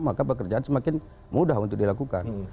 maka pekerjaan semakin mudah untuk dilakukan